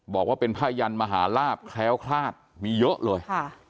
บอกว่าเป็นผ้ายันมหาลาบแคล้วคลาดมีเยอะเลย